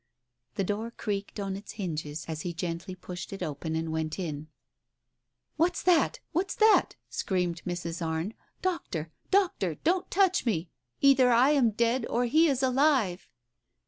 The door creaked on its hinges as he gently pushed it open and went in. "What's that? What's that?" screamed Mrs. Arne. "Doctor! Doctor! Don't touch me! Either I am dead or he is alive